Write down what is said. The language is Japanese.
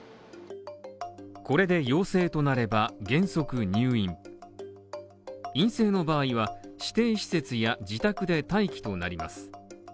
これで陽性となれば、原則入院陰性の場合は指定施設や自宅で待機となります。